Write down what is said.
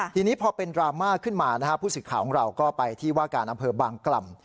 ทีนี้พอเป็นดราม่าขึ้นมาผู้สื่อข่าวของเราก็ไปที่ว่าการอำเภอบางกล่ำ